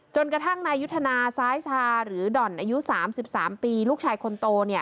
กระทั่งนายยุทธนาซ้ายชาหรือด่อนอายุ๓๓ปีลูกชายคนโต